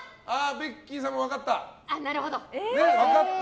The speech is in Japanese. ベッキーさんも分かった？